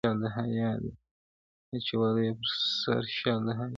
اچولی یې پر سر شال د حیا دی,